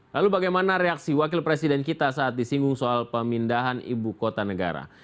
lalu bagaimana reaksi wakil presiden kita saat disinggung soal pemindahan ibu kota negara